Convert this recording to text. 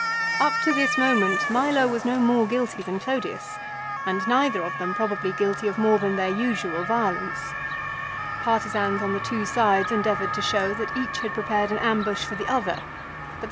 Up to this moment Milo was no more guilty than Clodius, and neither of them probably guilty of more than their usual violence. Partisans on the two sides endeavoured to show that each had prepared an ambush for the other ; but there 70 LIFE OF CICERO.